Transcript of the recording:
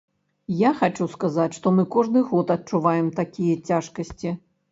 Я хачу сказаць, што мы кожны год адчуваем такія цяжкасці.